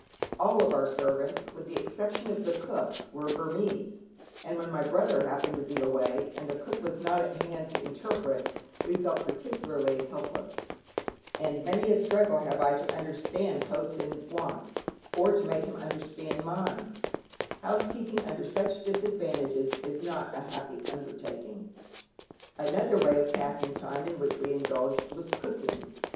All our servants, with the exception of the cook, were Burmese, and when my brother happened to be away, and the cook was not at hand to interpret, we felt particularly helpless. Messages brought at such a time had to go undelivered, and many a struggle have I had to understand Po Sin's wants, or to make him understand mine. Housekeeping under such disadvantages is not a happy undertaking. Another way of passing time in which we indulged, was cooking.